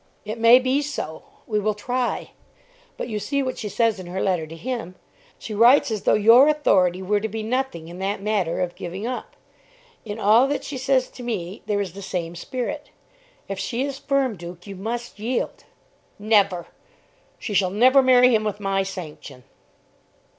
"It may be so. We will try. But you see what she says in her letter to him. She writes as though your authority were to be nothing in that matter of giving up. In all that she says to me there is the same spirit. If she is firm, Duke, you must yield." "Never! She shall never marry him with my sanction."